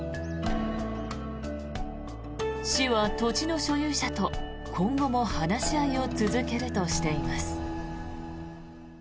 市は土地の所有者と今後も話し合いを続けるとしています。